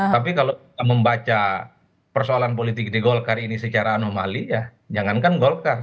tapi kalau kita membaca persoalan politik di golkar ini secara anomali ya jangankan golkar